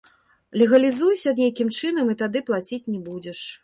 Легалізуйся нейкім чынам і тады плаціць не будзеш.